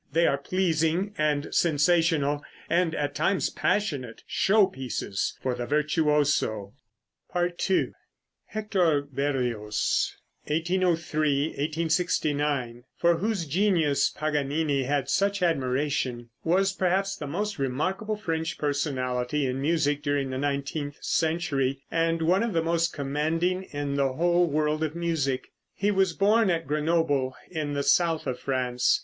They are pleasing and sensational, and at times passionate, show pieces for the virtuoso. II. Hector Berlioz (1803 1869), for whose genius Paganini had such admiration, was perhaps the most remarkable French personality in music during the nineteenth century, and one of the most commanding in the whole world of music. He was born at Grenoble, in the south of France.